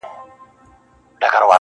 لا به دي غوغا د حسن پورته سي کشمیره-